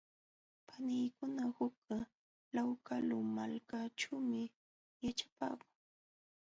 Paniykuna huk law kalu malkaćhuumi yaćhapaakun.